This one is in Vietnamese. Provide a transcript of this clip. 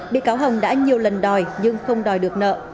bị cáo hồng đã nhiều lần đòi nhưng không đòi được nợ